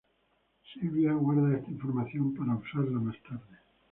Sylvia guarda esta información para usarlo más tarde.